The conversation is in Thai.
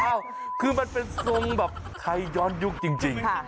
เอ้าคือมันเป็นทรงแบบไทยย้อนยุคจริง